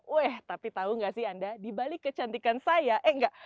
weh tapi tau gak sih anda dibalik kecantikan saya eh enggak